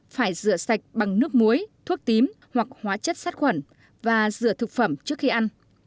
phải rửa sạch bằng nước muối thuốc tím hoặc hóa chất sát khuẩn và rửa thực phẩm trước khi ăn